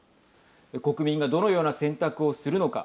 国民がどのような選択をするのか。